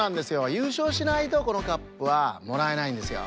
ゆうしょうしないとこのカップはもらえないんですよ。